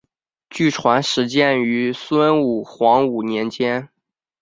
据传始建于孙吴黄武年间。